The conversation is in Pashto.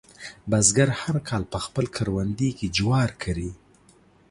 بزګر هر کال په خپل کروندې کې جوار کري.